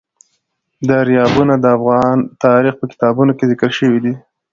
دریابونه د افغان تاریخ په کتابونو کې ذکر شوی دي.